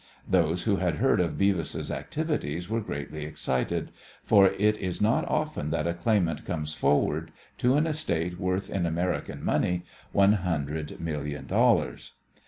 Those who had heard of Beavis' activities were greatly excited, for it is not often that a claimant comes forward to an estate worth in American money one hundred million dollars.